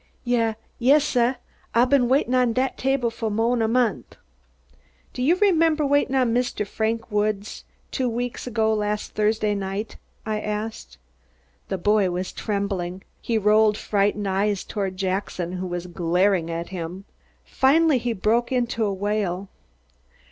"Ya yas, suh! Ah ben waitin' on dat table fo' mo'n a month." "Do you remember waiting on Mr. Frank Woods two weeks ago last Thursday night?" I asked. The boy was trembling. He rolled frightened eyes toward Jackson who was glaring at him. Finally he broke into a wail.